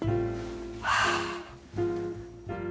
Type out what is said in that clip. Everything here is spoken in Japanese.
はあ。